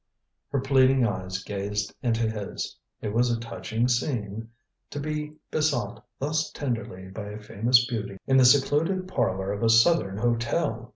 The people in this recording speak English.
Her pleading eyes gazed into his. It was a touching scene. To be besought thus tenderly by a famous beauty in the secluded parlor of a southern hotel!